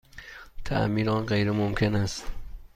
تعمیر آن غیرممکن است.